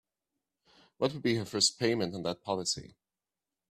What would be her first payment on that policy?